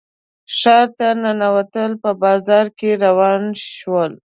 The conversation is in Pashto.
ښار ته ننوتل په بازار کې روان شول.